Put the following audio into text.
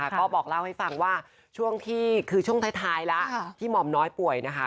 ก็บอกเล่าให้ฟังว่าช่วงที่คือช่วงท้ายแล้วที่หม่อมน้อยป่วยนะคะ